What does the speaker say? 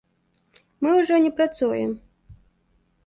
Мы ўжо не працуем.